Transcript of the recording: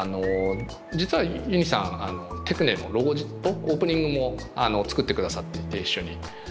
実はユニさんテクネのロゴオープニングも作ってくださっていて一緒に。